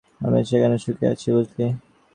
আমি এখানে সুখেই আছি, বুঝলি?